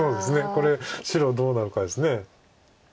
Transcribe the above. これ白どうなるかです。